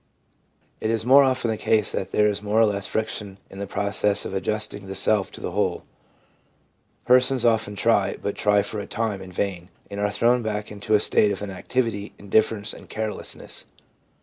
It is more often the .case that there is more or less friction in the process of adjusting the self to the whole. Persons often try, but try for a time in vain, and are thrown back into a state of inactivity, indifference and carelessness.